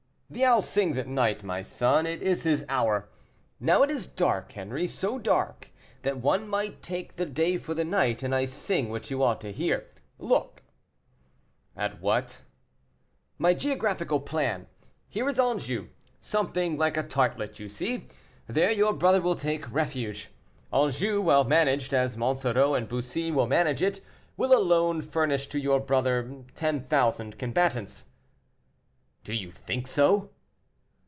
"The owl sings at night, my son, it is his hour. Now it is dark, Henri, so dark that one might take the day for the night, and I sing what you ought to hear. Look!" "At what?" "My geographical plan. Here is Anjou, something like a tartlet, you see; there your brother will take refuge. Anjou, well managed, as Monsoreau and Bussy will manage it, will alone furnish to your brother ten thousand combatants." "Do you think so?"